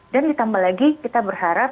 dan ditambah lagi kita berharap